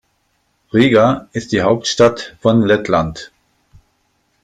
Riga ist die Hauptstadt von Lettland.